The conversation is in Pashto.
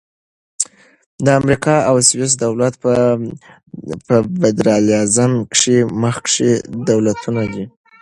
د امریکا او سویس دولت په فدرالیزم کښي مخکښ دولتونه دي.